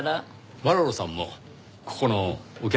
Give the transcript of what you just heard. マロロさんもここのお客さんですね？